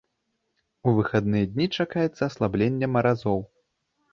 У выхадныя дні чакаецца аслабленне маразоў.